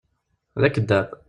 D akeddab.